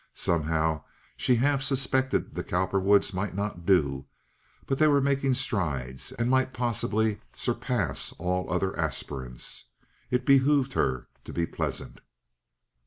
Somehow she half suspected the Cowperwoods might not do, but they were making strides, and might possibly surpass all other aspirants. It behooved her to be pleasant.